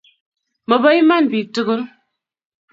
Mo bo iman biik tugul